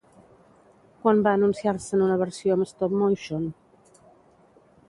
Quan va anunciar-se'n una versió amb stop-motion?